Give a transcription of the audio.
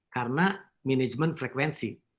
karena management frekuensi